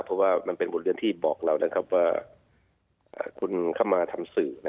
เพราะว่ามันเป็นบทเรียนที่บอกเราว่าคุณเข้ามาทำสื่อ